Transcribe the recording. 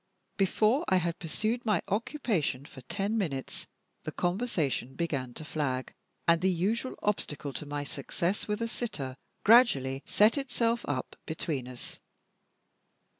Before I had pursued my occupation for ten minutes, the conversation began to flag, and the usual obstacle to my success with a sitter gradually set itself up between us.